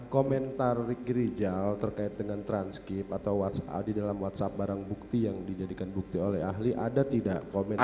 komentar ricky rijal terkait dengan transkip atau di dalam whatsapp barang bukti yang dijadikan bukti oleh ahli ada tidak komentar